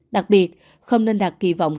đặc biệt không nên đặt kỳ vọng